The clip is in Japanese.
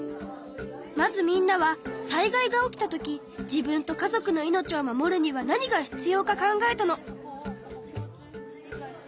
まずみんなは災害が起きた時自分と家族の命を守るには何が必要か考えたの。